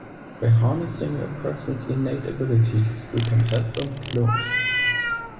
By harnessing a persons innate abilities we can help them flourish.